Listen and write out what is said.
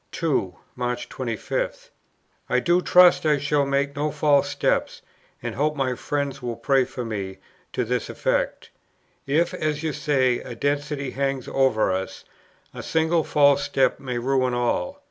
2. March 25. "I do trust I shall make no false step, and hope my friends will pray for me to this effect. If, as you say, a destiny hangs over us, a single false step may ruin all.